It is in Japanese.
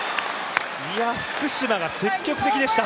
福島が積極的でした。